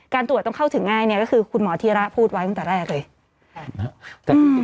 ตรวจต้องเข้าถึงง่ายเนี่ยก็คือคุณหมอธีระพูดไว้ตั้งแต่แรกเลย